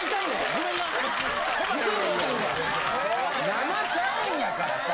生ちゃうんやからさ。